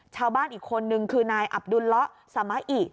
ชาวบ้านอีกคนนึงคือนายอับดุลละสามะอิ